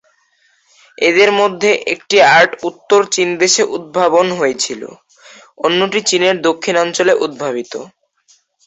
এদের মধ্যে একটি আর্ট উত্তর চীন দেশে উদ্ভাবন হয়েছিল, অন্যটি চীনের দক্ষিণাঞ্চলে উদ্ভাবিত।